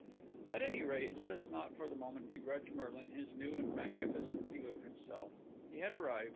At any rate, let us not for this moment begrudge Merlin his new and magnificent view of himself. He had arrived.